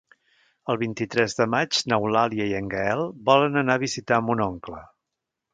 El vint-i-tres de maig n'Eulàlia i en Gaël volen anar a visitar mon oncle.